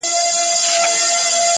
• چي اَیینه وي د صوفي او میخوار مخ ته,